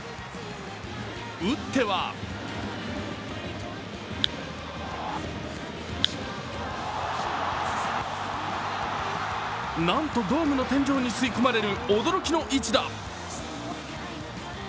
打ってはなんと東京ドームの天井に吸い込まれる驚きの一打。